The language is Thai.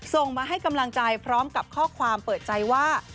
ส่งมาให้กำลังใจพร้อมกับข้อความเปิดใจว่า